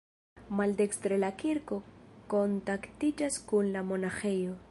Maldekstre la kirko kontaktiĝas kun la monaĥejo.